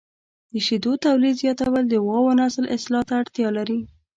د شیدو تولید زیاتول د غواوو نسل اصلاح ته اړتیا لري.